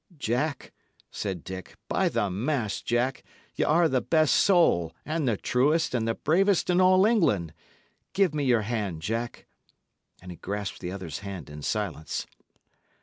"Jack," said Dick, "by the mass, Jack, y' are the best soul, and the truest, and the bravest in all England! Give me your hand, Jack." And he grasped the other's hand in silence.